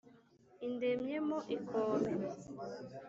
indemyemo ikome,